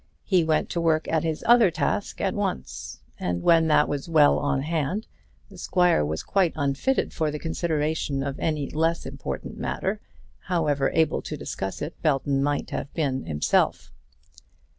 He went to work at his other task at once, and when that was well on hand the squire was quite unfitted for the consideration of any less important matter, however able to discuss it Belton might have been himself.